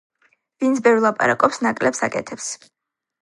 ვინც ბევრს ლაპარაკობს, ნაკლებს აკეთებს.